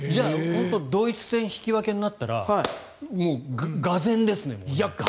ドイツ戦引き分けになったらがぜんですね。